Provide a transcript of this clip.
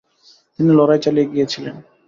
তিনি লড়াই চালিয়ে গিয়েছিলেন।